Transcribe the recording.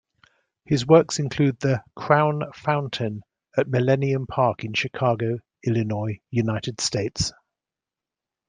His works include the "Crown Fountain" at Millennium Park in Chicago, Illinois, United States.